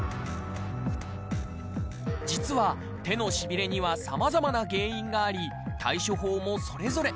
実は手のしびれには様々な原因があり対処法もそれぞれ。